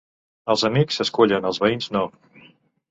Els amics s'escullen, els veïns, no.